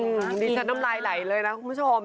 ดิฉันน้ำลายไหลเลยนะคุณผู้ชม